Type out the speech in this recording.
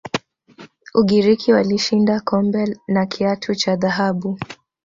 ugiriki walishinda kombe na kiatu cha dhahabu